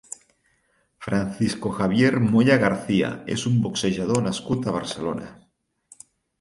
Francisco Javier Moya García és un boxejador nascut a Barcelona.